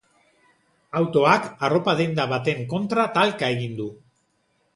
Autoak arropa denda baten kontra talka egin du.